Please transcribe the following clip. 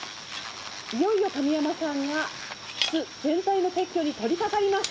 いよいよ神山さんが、巣全体の撤去に取りかかります。